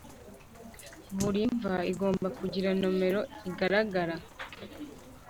Buri mva igomba kugira nomero igaragara